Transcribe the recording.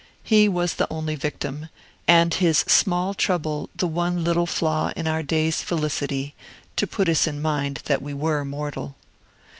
He was the only victim, and his small trouble the one little flaw in our day's felicity, to put us in mind that we were mortal.